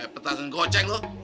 kayak petas dan goceng lu